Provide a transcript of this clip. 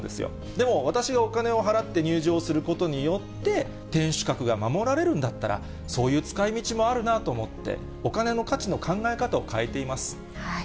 でも、私がお金を払って入場することによって、天守閣が守られるんだったら、そういう使いみちもあるなと思って、お金の価値の考え方を変えています。